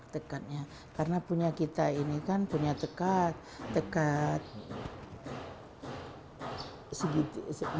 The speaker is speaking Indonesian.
tekatnya karena punya kita ini kan punya tekat tekat